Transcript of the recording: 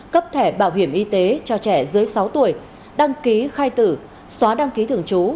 cấp thẻ bảo hiểm y tế cho trẻ dưới sáu tuổi đăng ký khai tử xóa đăng ký thường trú